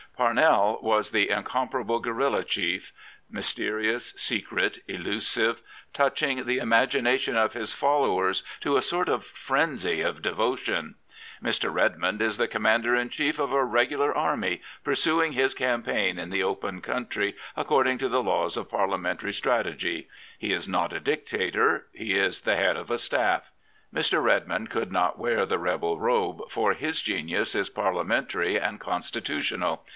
Parnell was the incomparable guerilla chief, mysteri ous, secret, elusive, touching the*Tmagination of his id6 John Redmond followers to a sort of frenzy of devotion ; Mr. Redmond is the commander in chief of a regular army, pursuing his campaign in the open country according to the laws of Parliamentary strategy. He is not a dictator ; he is the head of a staff. Mr. Redmond could not wear the rebel robe, for his genius is Parliamentary and constitutional.